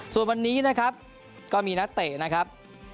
ส่วนวันนี้นะครับก็มีนักเตะนะครับ